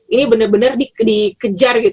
ini benar benar dikejar